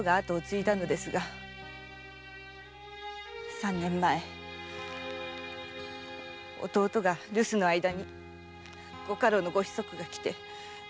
三年前弟が留守の間にご家老のご子息が来て私を。